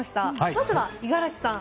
まずは、五十嵐さん。